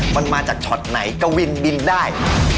มันมาจากช็อตไหนกวินบินได้